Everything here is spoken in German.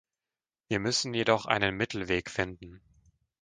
Wir müssen jedoch einen Mittelweg finden.